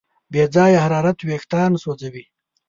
بې ځایه حرارت وېښتيان سوځوي.